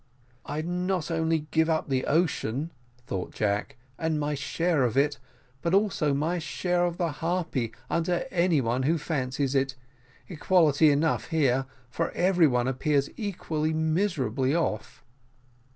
"I'd not only give up the ocean," thought Jack, "and my share of it, but also my share of the Harpy, unto any one who fancies it. Equality enough here! for every one appears equally miserably off."